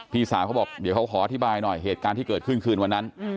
พี่สาวเขาบอกเดี๋ยวเขาขออธิบายหน่อยเหตุการณ์ที่เกิดขึ้นคืนวันนั้น